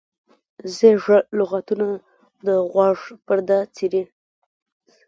زیږه لغتونه د غوږ پرده څیري.